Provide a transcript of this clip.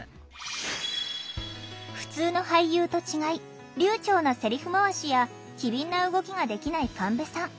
ふつうの俳優と違い流ちょうなセリフ回しや機敏な動きができない神戸さん。